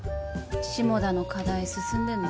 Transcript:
下田の課題進んでんの？